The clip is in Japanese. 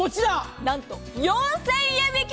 何と４０００円引き。